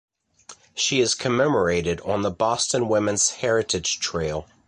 She is commemorated on the Boston Women's Heritage Trail.